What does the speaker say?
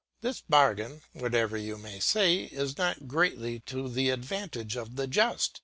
This bargain, whatever you may say, is not greatly to the advantage of the just.